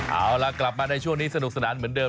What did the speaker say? เอาล่ะกลับมาในช่วงนี้สนุกสนานเหมือนเดิ